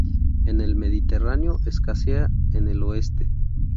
En el Mediterráneo, escasea en el oeste.